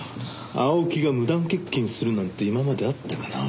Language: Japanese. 青木が無断欠勤するなんて今まであったかな？